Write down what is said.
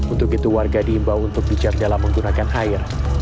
untuk itu warga diimbau untuk bijak dalam menggunakan air